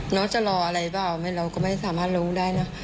น้องจะรออะไรเปล่าเราก็ไม่สามารถรู้ได้เนอะ